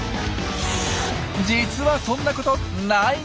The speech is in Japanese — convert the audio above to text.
実はそんなことないんです！